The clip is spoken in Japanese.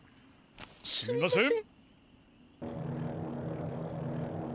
すいません。